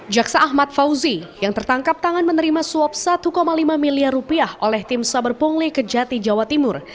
jaksa ahmad fauzi yang tertangkap tangan menerima suap satu lima miliar rupiah oleh tim saber pungli kejati jawa timur